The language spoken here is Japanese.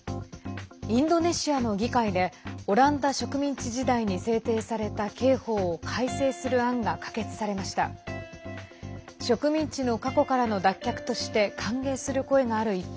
インドネシアの議会でオランダ植民地時代に制定された刑法を改正する案が可決されました。